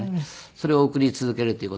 それを送り続けるっていう事で。